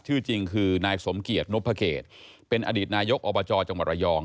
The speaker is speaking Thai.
ชื่อจริงคือนายสมเกียจนพเกตเป็นอดีตนายกอบจจังหวัดระยอง